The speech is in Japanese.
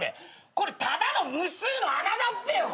これただの無数の穴だっぺよ。